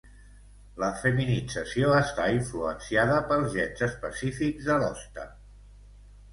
La feminització està influenciada pels gens específics de l'hoste.